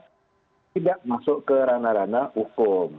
memang sehat tidak masuk ke ranah ranah hukum